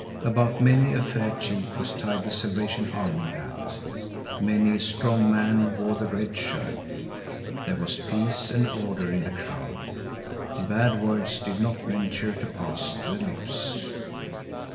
About many a fair cheek was tied the Salvation Army hat. Many a strong man wore the red shirt. There was peace and order in the crowd. Bad words did not venture to pass the lips.